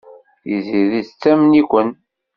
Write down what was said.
Tiziri tettamen-iken.